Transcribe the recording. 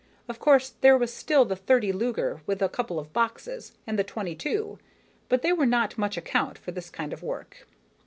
Of course, there was still the .30 Luger with a couple of boxes, and the .22; but they were not much account for this kind of work.